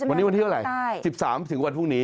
วันนี้วันที่เท่าไหร่๑๓ถึงวันพรุ่งนี้